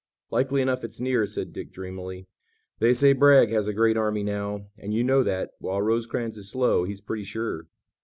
"Likely enough it's near," said Dick dreamily. "They say Bragg has a great army now, and you know that, while Rosecrans is slow he's pretty sure.